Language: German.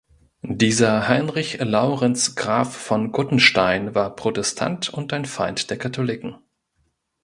Dieser Heinrich Laurenz Graf von Guttenstein war Protestant und ein Feind der Katholiken.